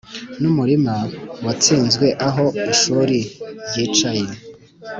numurima watsinzwe aho ishuri ryicaye